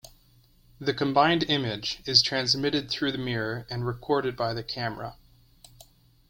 The combined image is transmitted through the mirror and recorded by the camera.